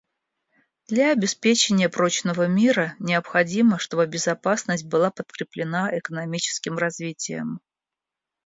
Для обеспечения прочного мира необходимо, чтобы безопасность была подкреплена экономическим развитием.